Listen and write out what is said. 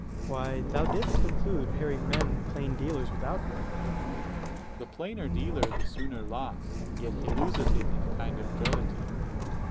Ant. S. Why, thou didst conclude hairy men plain 85 dealers without wit. Dro. S. The plainer dealer, the sooner lost: yet he loseth it in a kind of jollity.